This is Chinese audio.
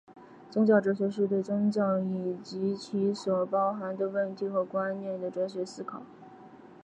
宗教哲学是对宗教以及其所包含的问题和观念的哲学思考。